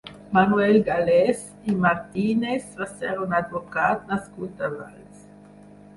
Manuel Galès i Martínez va ser un advocat nascut a Valls.